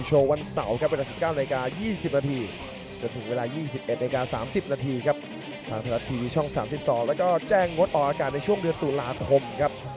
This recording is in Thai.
คำว่านี้อีกหรอกครับท่านครบ